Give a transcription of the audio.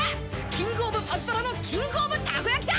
キング・オブ・パズドラのキング・オブ・たこやきだ！